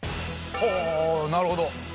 ほぉなるほど。